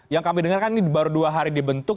yang kami dengar kan ini baru dua hari dibentuk